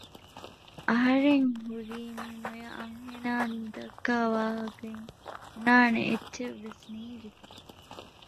އަހަރެން ހުރީ މި މޮޔަ އަންހެނާ މިދައްކާ ވާހައިން ބުނާނެ އެއްޗެއްވެސް ނޭންގިފަ